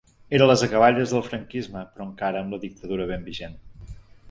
Era a les acaballes del franquisme, però encara amb la dictadura ben vigent.